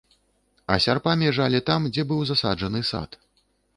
А сярпамі жалі там, дзе быў засаджаны сад.